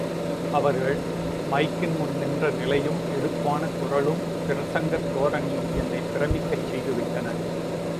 அவர்கள் மைக்கின் முன் நின்ற நிலையும் எடுப்பான குரலும், பிரசங்க தோரணையும் என்னைப் பிரமிக்கச் செய்துவிட்டன.